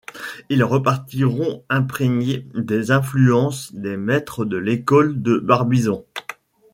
Ils repartiront imprégnés des influences des maîtres de l'école de Barbizon.